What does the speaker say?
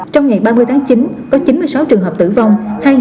trong ngày ba mươi tháng chín có chín mươi sáu trường hợp tử vong